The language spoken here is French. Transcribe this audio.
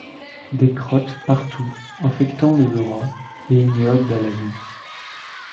Des crottes partout, infectant l'odorat, et ignobles à la vue.